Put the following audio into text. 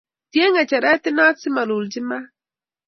Tie ngecheret inat simalulchi mat